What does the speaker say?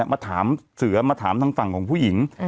มาถามเสือมาถามทางฝั่งของผู้หญิง